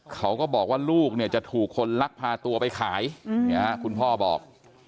เขาก็บอกว่าลูกเนี่ยจะถูกคนลักพาตัวไปขายคุณพ่อบอก